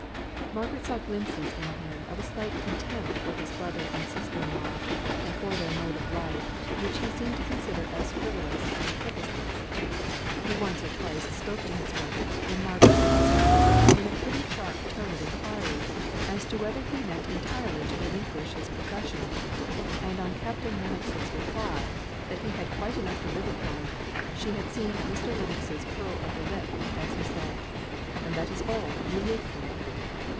Margaret saw glimpses in him of a slight contempt for his brother and sister in law, and for their mode of life, which he seemed to consider as frivolous and purposeless. He once or twice spoke to his brother, in Margaret's presence, in a pretty sharp tone of enquiry, as to whether he meant entirely to relinquish his profession; and on Captain Lennox's reply, that he had quite enough to live upon, she had seen Mr. Lennox's curl of the lip as he said, "And is that all you live for?"